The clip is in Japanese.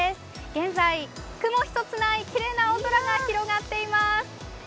現在、雲一つないきれいな青空が広がっています。